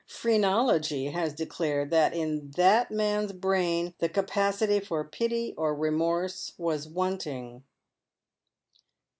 Phrenology has declared that in that man's brain the capacity for pity or remorse was wanting.